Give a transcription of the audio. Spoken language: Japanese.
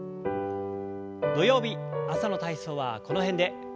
土曜日朝の体操はこの辺で。